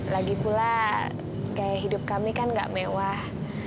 lagipula gaya hidup kami kan gak mewah